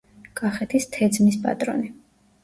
კახეთის თეძმის პატრონი.